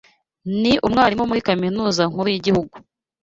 Ni umwarimu muri kaminuza nkuru yigihugu.